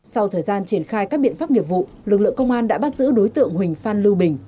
sau thời gian triển khai các biện pháp nghiệp vụ lực lượng công an đã bắt giữ đối tượng huỳnh phan lưu bình